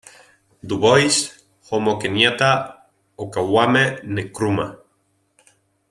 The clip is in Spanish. Du Bois, Jomo Kenyatta o Kwame Nkrumah.